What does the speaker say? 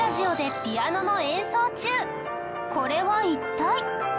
これは一体？